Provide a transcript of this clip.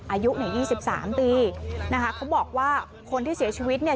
อายุเนี่ยยี่สิบสามปีนะคะเขาบอกว่าคนที่เสียชีวิตเนี่ย